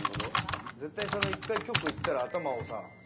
絶対局いったら頭をさ。